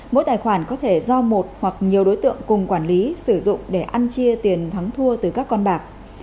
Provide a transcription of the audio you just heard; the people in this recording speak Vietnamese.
mỗi tài khoản có thể do một hoặc nhiều đối tượng cùng quản lý sử dụng để ăn chia tiền thắng thua từ các con bạc